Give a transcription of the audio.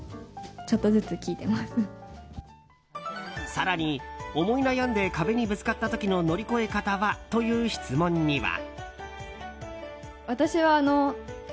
更に、思い悩んで壁にぶつかった時の乗り越え方は？という質問には。